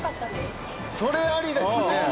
それありですね。